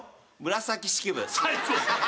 紫式部。